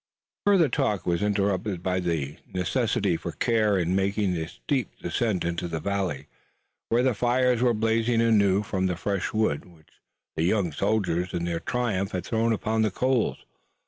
Further talk was interrupted by the necessity for care in making the steep descent into the valley, where the fires were blazing anew from the fresh wood which the young soldiers in their triumph had thrown upon the coals.